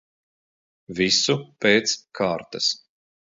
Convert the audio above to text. Visu pēc kārtas.